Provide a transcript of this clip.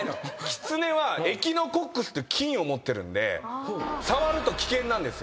キツネは。っていう菌を持ってるんで触ると危険なんですよ。